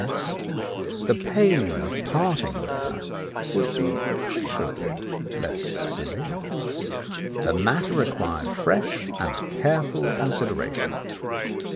S., the pain of parting with her would be appre ciably less severe. The matter required fresh and careful consideration.